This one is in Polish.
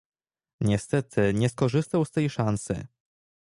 Niestety nie skorzystał z tej szansy